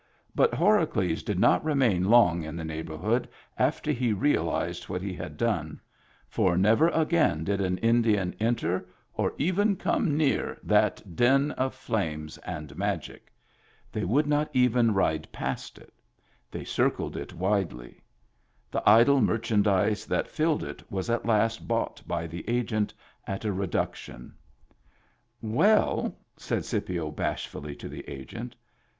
But Horacles did not remain long in the neighborhood after he realized what he had done ; for never again did an Indian enter, or even come near, that den of flames and magic. They would not even ride past it ; they circled it widely. The idle merchandise that filled it was at last bought by the Agent at a reduction. "Well," said Scipio bashfully to the Agent.